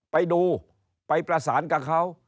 ไปดูไปประสานกับเขา